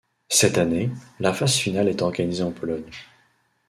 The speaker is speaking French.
Cette année, la phase finale est organisée en Pologne.